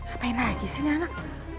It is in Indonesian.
apa yang lagi sih nih anak